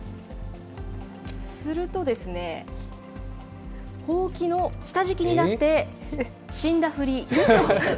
するとですね、ほうきの下敷きになって、死んだふり。